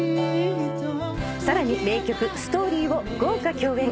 さらに名曲『Ｓｔｏｒｙ』を豪華共演。